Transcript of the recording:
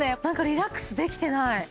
なんかリラックスできてない。